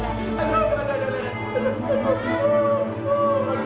aduh aduh aduh